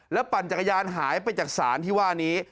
ปั่นจักรยานหายไปจากศาลที่ว่านี้